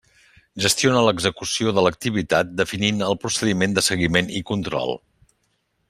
Gestiona l'execució de l'activitat, definint el procediment de seguiment i control.